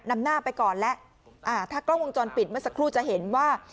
นำหน้าไปก่อนแล้วอ่าถ้ากล้องวงจรปิดเมื่อสักครู่จะเห็นว่า